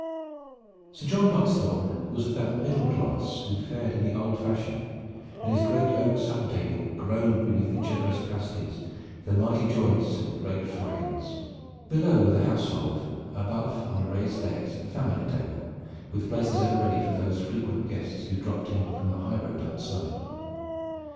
Sir John Buttesthorn was of that middle class who fared in the old fashion, and his great oak supper table groaned beneath the generous pastries, the mighty joints and the great flagons. Below were the household, above on a raised dais the family table, with places ever ready for those frequent guests who dropped in from the high road outside.